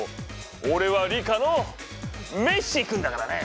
おれはリカのメッシーくんだからね！